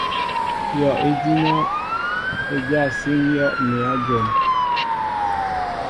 Yɔʼejina e dyá síŋ hɔʼ e mέa jom.